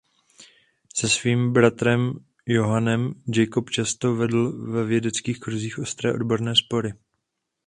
Se svým bratrem Johannem Jacob často vedl ve vědeckých kruzích ostré odborné spory.